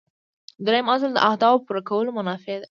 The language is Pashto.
دریم اصل د اهدافو پوره کولو منابع دي.